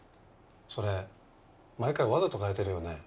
それ毎回わざと変えてるよね？